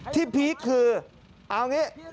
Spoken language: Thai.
พีคคือเอาอย่างนี้